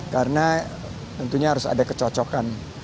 karena tentunya harus ada kecocokan